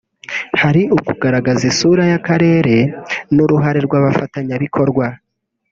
hari kugaragaza isura y’akarere n’uruhare rw’abafatanyabikorwa